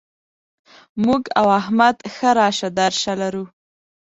موږ او احمد ښه راشه درشه لرو.